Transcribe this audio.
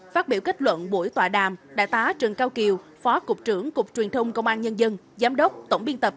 phát biểu kết luận buổi tọa đàm đại tá trần cao kiều phó cục trưởng cục truyền thông công an nhân dân giám đốc tổng biên tập